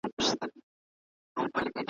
چي شرنګی یې وو په ټوله محله کي ,